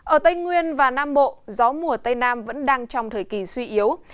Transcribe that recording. ở tây nguyên và nam bộ gió mùa tây nam vẫn đang trong thời kỳ suy yếu